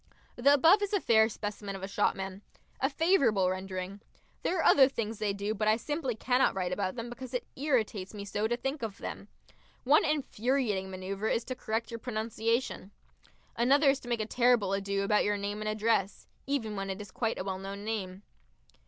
The above is a fair specimen of a shopman a favourable rendering. There are other things they do, but I simply cannot write about them because it irritates me so to think of them. One infuriating manoeuvre is to correct your pronunciation. Another is to make a terrible ado about your name and address even when it is quite a well known name.